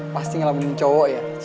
pasti ngelamunin cowok ya